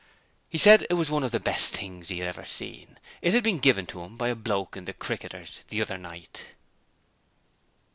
He said it was one of the best things he had ever seen: it had been given to him by a bloke in the Cricketers the other night.